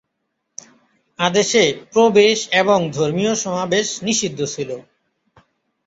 আদেশে প্রবেশ এবং ধর্মীয় সমাবেশ নিষিদ্ধ ছিল।